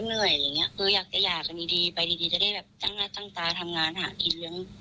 คืออยากจะหยาดกันดีไปดีจะได้แบบจ้างหน้าจ้างจาทำงานหาอีกเรื่อง